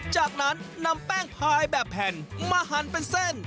จากนั้นนำแป้งพายแบบแผ่นมาหั่นเป็นเส้น